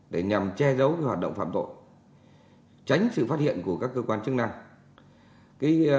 để nhằm che giấu hoạt động phạm tội tránh sự phát hiện của các cơ quan chức năng